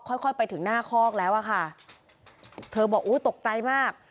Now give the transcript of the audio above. ค่อยค่อยไปถึงหน้าคอกแล้วอะค่ะเธอบอกอุ้ยตกใจมาก